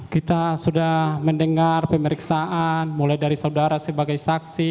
kita sudah mendengar pemeriksaan mulai dari saudara sebagai saksi